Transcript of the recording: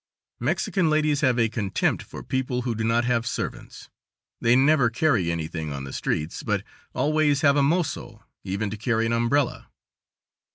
Mexican ladies have a contempt for people who do not have servants. They never carry anything on the streets; but always have a mozo, even to carry an umbrella.